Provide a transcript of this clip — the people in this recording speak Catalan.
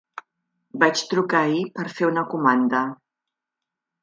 Vaig trucar ahir per fer una comanda.